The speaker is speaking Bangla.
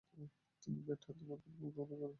তিনি ব্যাট হাতে মারকূটে ভূমিকা পালন করেন।